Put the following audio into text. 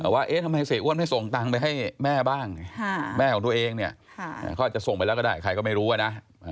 ว่าเอ๊ะทำไมเสียอ้วนไม่ส่งตังค์ไปให้แม่บ้างแม่ของตัวเองเนี่ยเขาอาจจะส่งไปแล้วก็ได้ใครก็ไม่รู้นะ